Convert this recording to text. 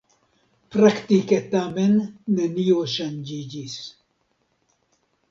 Praktike tamen nenio ŝanĝiĝis.